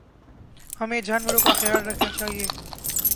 ہمیں جانوروں کا خیال رکھنا چاہیے